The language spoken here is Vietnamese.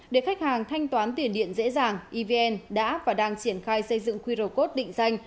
để khách hàng thanh toán tiền điện dễ dàng evn đã và đang triển khai xây dựng qr code định danh